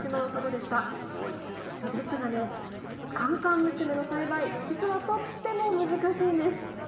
ですがね、甘々娘の栽培、実はとっても難しいんです。